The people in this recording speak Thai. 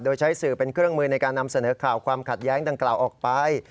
โดยใช้สื่อเป็นเครื่องมือในการนำเสนอข่าวความขัดแย้งดังกล่าวออกไป